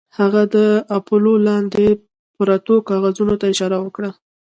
هغه د اپولو لاندې پرتو کاغذونو ته اشاره وکړه